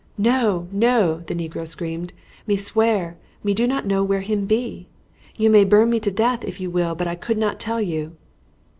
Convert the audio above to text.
"No, no!" the negro screamed. "Me swear me do not know where him be. You may burn me to death if you will, but I could not tell you."